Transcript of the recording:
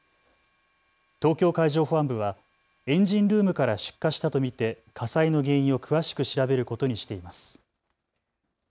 東京海上保安部はエンジンルームから出火したと見て火災の原因を詳しく調べることにしています。